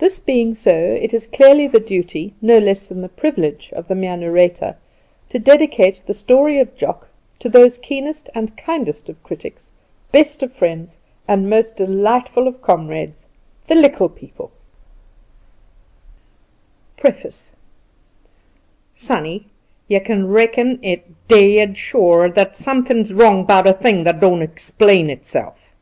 That being so, it is clearly the duty, no less than the privilege, of the Mere Narrator to Dedicate The Story of Jock to Those Keenest and Kindest of Critics, Best of Friends, and Most Delightful of Comrades The Likkle People PREFACE "Sonny, you kin reckon it dead sure, thar's something wrong 'bout a thing that don't explain itself."